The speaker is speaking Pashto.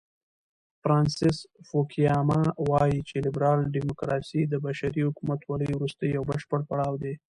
فرانسیس فوکویاما وایي چې لیبرال دیموکراسي د بشري حکومتولۍ وروستی او بشپړ پړاو دی.